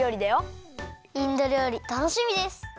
インドりょうりたのしみです！